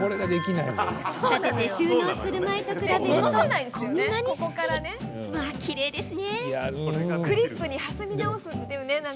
立てて収納する前と比べるとこんなにすっきり。